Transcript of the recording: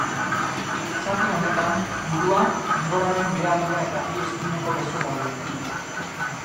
Zati honetan, burua, enborraren behealdea eta bi eskuineko beso daude.